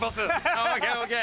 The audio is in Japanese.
ＯＫ！ＯＫ！